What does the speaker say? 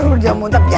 rodia muntah mak